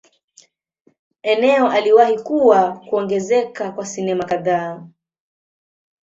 Eneo aliwahi kuwa kuongezeka kwa sinema kadhaa.